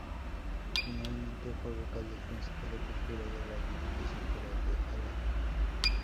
Finalmente fue vocal del Consejo de Cultura de la Diputación Foral de Álava.